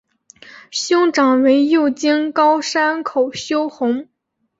兄长为右京亮山口修弘。